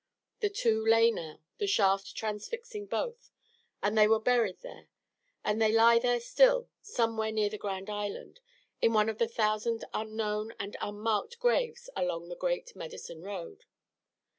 The two lay now, the shaft transfixing both; and they were buried there; and they lie there still, somewhere near the Grand Island, in one of a thousand unknown and unmarked graves along the Great Medicine Road.